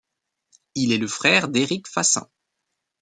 Il est le frère d'Éric Fassin.